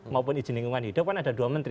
maupun izin lingkungan hidup kan ada dua menteri